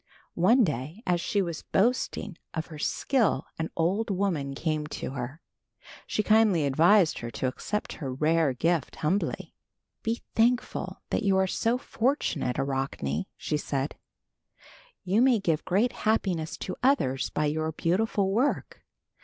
One day as she was boasting of her skill an old woman came to her. She kindly advised her to accept her rare gift humbly. "Be thankful that you are so fortunate, Arachne," said she. "You may give great happiness to others by your beautiful work.